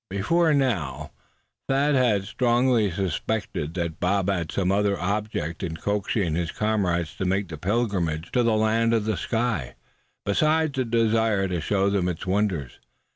Before now Thad had strongly suspected that Bob had some other object in coaxing his comrades to make the pilgrimage to the Land of the Sky, besides the desire to show them its wonders.